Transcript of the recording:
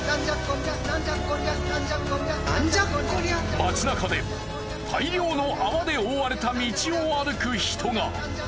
街なかで大量の泡で覆われた道を歩く人が。